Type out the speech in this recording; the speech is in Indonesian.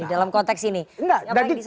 dalam konteks ini tidak